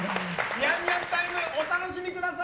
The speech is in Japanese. ニャンニャンタイムお楽しみください！